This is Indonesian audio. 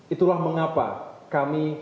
itulah mengapa kami